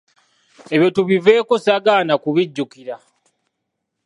Ebyo tubiveeko ssaagala na kubijjukira.